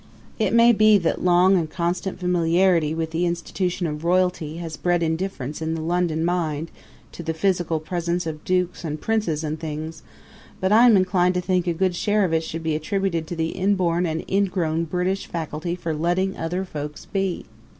It may be that long and constant familiarity with the institution of royalty has bred indifference in the London mind to the physical presence of dukes and princes and things; but I am inclined to think a good share of it should be attributed to the inborn and ingrown British faculty for letting other folks be.